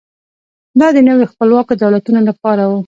دا د نویو خپلواکو دولتونو لپاره و.